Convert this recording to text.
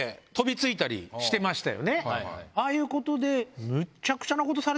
ああいうことで。